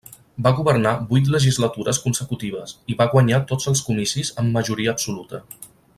Va governar vuit legislatures consecutives, i va guanyar tots els comicis amb majoria absoluta.